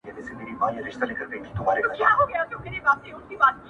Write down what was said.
چي ته نه يې زما په ژونــــد كــــــي.